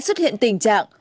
xuất hiện tình trạng